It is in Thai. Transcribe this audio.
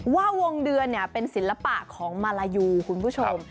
ว่าวงเดือนเป็นศิลปะของมาลายูคุณผู้ชม